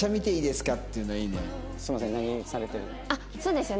すいません何されてるんですか？